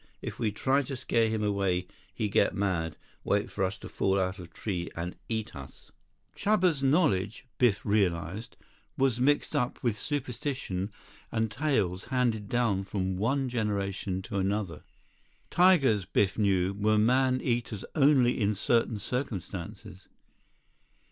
If we try to scare him away, he get mad, wait for us to fall out of tree and eat us." Chuba's knowledge, Biff realized, was mixed up with superstition and tales handed down from one generation to another. Tigers, Biff knew, were man eaters only in certain circumstances.